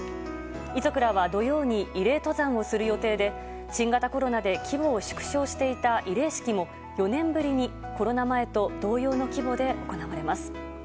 遺族らは土曜に慰霊登山をする予定で新型コロナで規模を縮小していた慰霊式も４年ぶりにコロナ前と同様の規模で行われます。